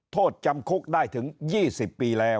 โทษจำคุกได้ถึง๒๐ปีแล้ว